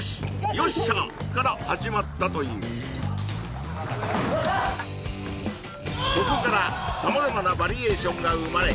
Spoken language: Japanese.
「ヨッシャー！」から始まったというそこから様々なバリエーションが生まれ